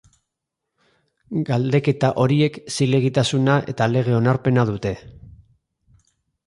Galdeketa horiek zilegitasuna eta lege onarpena dute.